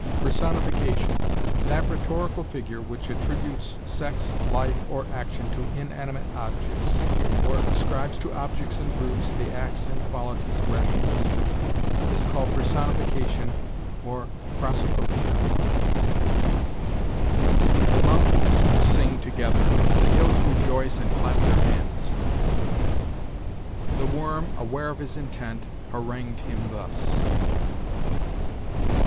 PERSONIFICATION. That rhetorical figure which attributes sex, life, or action to inanimate objects, or ascribes to objects and brutes the acts and qualities of rational beings, is called personification or prosopopœia. "The mountains sing together, the hills rejoice and clap their hands." "The worm, aware of his intent, harangued him thus."